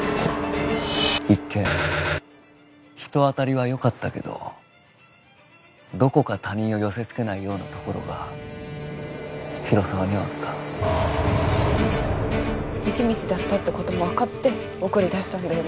一見人当たりはよかったけどどこか他人を寄せつけないようなところが広沢にはあった雪道だったってことも分かって送り出したんだよね？